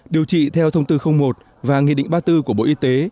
điều trị theo thông tư một và nghị định ba mươi bốn của bộ y tế